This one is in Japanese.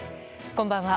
こんばんは。